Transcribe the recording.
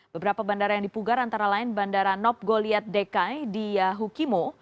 beberapa bandara yang dipugar antara lain bandara nop goliat dekai di yahukimo